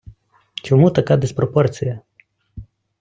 Чому така диспропорція?